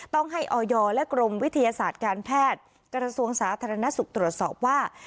ต้องให้ออยและกรมวิทยาศาสตร์การแพทย์กระทรวงสาธารณสุขตรวจสอบว่า